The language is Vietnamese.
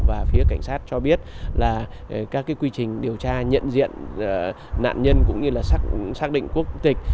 và phía cảnh sát cho biết là các quy trình điều tra nhận diện nạn nhân cũng như là xác định quốc tịch